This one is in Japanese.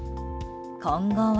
今後は。